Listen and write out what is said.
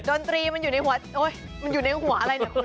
ดนตรีมันอยู่ในหัวมันอยู่ในหัวอะไรเนี่ยคุณ